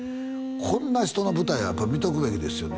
こんな人の舞台はやっぱ見とくべきですよね